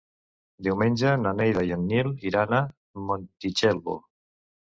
Diumenge na Neida i en Nil iran a Montitxelvo.